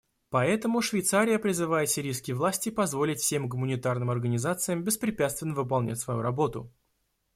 Поэтому Швейцария призывает сирийские власти позволить всем гуманитарным организациям беспрепятственно выполнять свою работу.